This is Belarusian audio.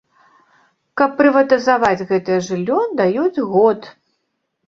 Каб прыватызаваць гэтае жыллё, даюць год.